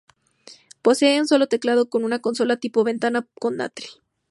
Posee un sólo teclado con una consola tipo ventana con atril.